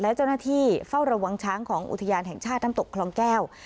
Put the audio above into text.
และเจ้าหน้าที่เฝ้าระวังช้างของอุทยานแห่งชาติน้ำตกคลองแก้ว